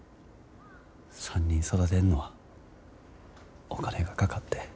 ３人育てんのはお金がかかって。